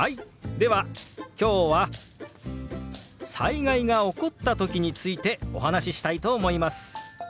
では今日は災害が起こった時についてお話ししたいと思います。